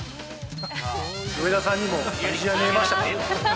上田さんにも虹は見えましたか？